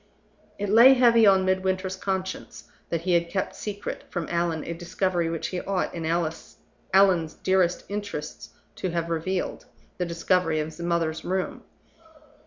It lay heavy on Midwinter's conscience that he had kept secret from Allan a discovery which he ought in Allan's dearest interests to have revealed the discovery of his mother's room.